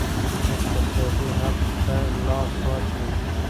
اقتصادي حبس ته لاس واچاوه